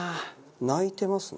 鳴いてますね。